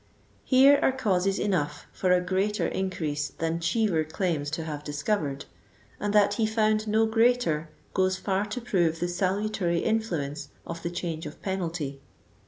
Here are causes enough for a greater increase than Cheever claims to have discovered, and that he found no greater, goes far to prove the salutary influence of the change of penalty.